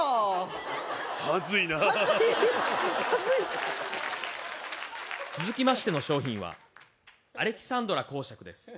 はずいなはずいはずい・続きましての商品はアレキサンドラ侯爵です